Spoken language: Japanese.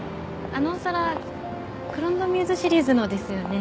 あのお皿クロン・ド・ミューズシリーズのですよね？